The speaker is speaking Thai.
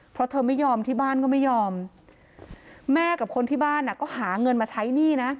เพราะเธอไม่ยอมที่บ้านก็ไม่ยอมแม่กับคนที่บ้านอ่ะก็หาเงินมาใช้หนี้นะ